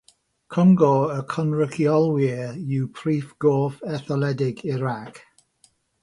Cyngor y Cynrychiolwyr yw prif gorff etholedig Irac.